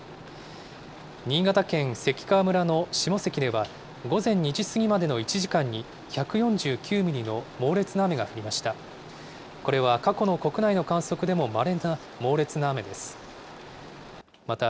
新潟県関川村の下関では、午前２時過ぎまでの１時間に１４９ミリの猛烈な雨が降りました。